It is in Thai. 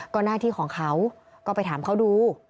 ก็หน้าที่ของเขาก็ไปถามเขาดู